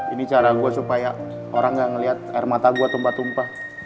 ini cara gue supaya orang gak ngeliat air mata gue tumpah tumpah